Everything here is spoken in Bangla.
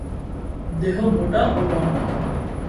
দেহ মোটা ও লম্বা।